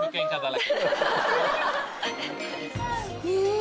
え！